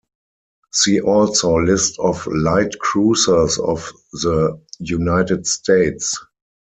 See also List of light cruisers of the United States.